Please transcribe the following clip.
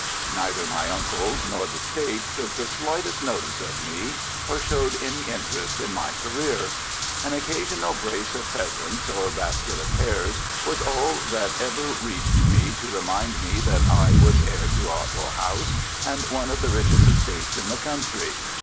Neither my uncle nor the State took the slightest notice of me, or showed any interest in my career. An occasional brace of pheasants, or basket of hares, was all that ever reached me to remind me that I was heir to Otwell House and one of the richest estates in the country.